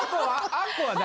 あっこは？